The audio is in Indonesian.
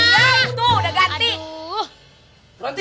ya itu udah ganti